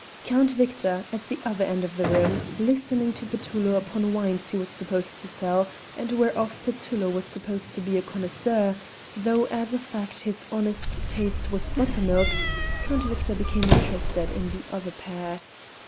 Count Victor, at the other end of the room, listening to Petullo upon wines he was supposed to sell and whereof Petullo was supposed to be a connoisseur, though as a fact his honest taste was buttermilk Count Victor became interested in the other pair.